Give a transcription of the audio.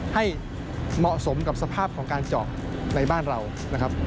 ให้เหมาะสมกับสภาพของการเจาะในบ้านเรานะครับ